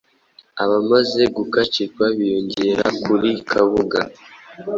Abamaze gukacirwa biyongera kuri Kabuga